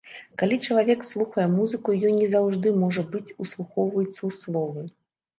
Калі чалавек слухае музыку, ён не заўжды, можа быць, услухваецца ў словы.